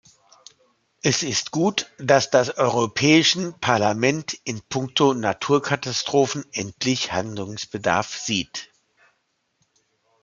Es ist gut, dass das Europäischen Parlament in punkto Naturkatastrophen endlich Handlungsbedarf sieht.